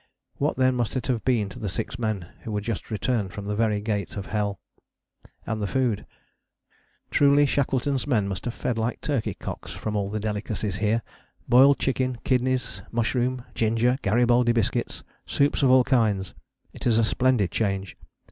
What then must it have been to the six men who were just returned from the very Gate of Hell? And the food: "Truly Shackleton's men must have fed like turkey cocks from all the delicacies here: boiled chicken, kidneys, mushrooms, ginger, Garibaldi biscuits, soups of all kinds: it is a splendid change.